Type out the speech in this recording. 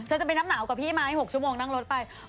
จะไปน้ำหนาวกับพี่ไหม๖ชั่วโมงนั่งรถไป